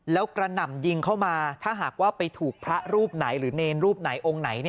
แล้วกระหน่ำยิงเข้ามาถ้าหากว่าไปถูกพระรูปไหนหรือเนรรูปไหนองค์ไหน